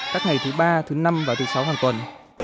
các ngày thứ ba thứ năm và thứ sáu hàng tuần